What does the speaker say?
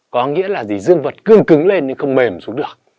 có nghĩa là gì dương vật cương cứng lên nhưng không mềm xuống được